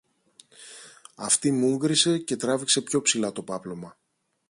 Αυτή μούγκρισε και τράβηξε πιο ψηλά το πάπλωμα